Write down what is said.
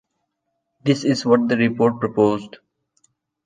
This is what the report proposed.